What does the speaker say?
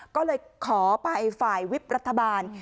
ก็เลยขอไปฝ่ายวิบรัฐบาล